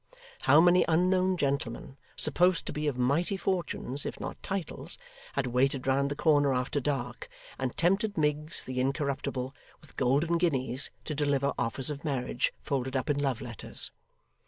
How many unknown gentlemen supposed to be of mighty fortunes, if not titles had waited round the corner after dark, and tempted Miggs the incorruptible, with golden guineas, to deliver offers of marriage folded up in love letters!